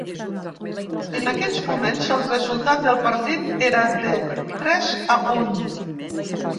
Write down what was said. En aquells moments, el resultat del partit era de tres a un.